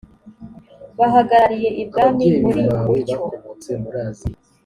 bahagarariye ibwami muri utwo